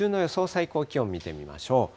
最高気温、見てみましょう。